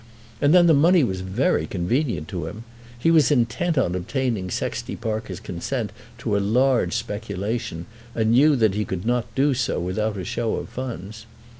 And then the money was very convenient to him. He was intent on obtaining Sexty Parker's consent to a large speculation, and knew that he could not do so without a show of funds.